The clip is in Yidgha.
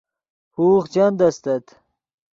ہوغ چند استت